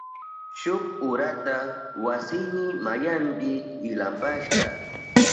Shuk urata wasiyni mayanpi ilampashka.